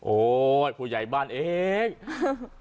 โอ๊ยผู้ใหญ่บ้านเอง